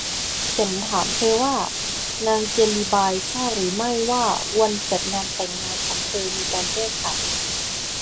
ฉันถามเธอว่า นางเจลลีบายทราบหรือไม่ว่าวันจัดงานแต่งของเธอมีการแก้ไข